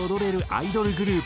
アイドルグループ